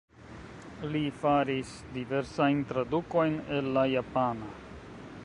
Li faris diversajn tradukojn el la japana.